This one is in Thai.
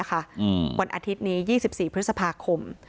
วันอาทิตย์นี้๒๔พฤษภาคม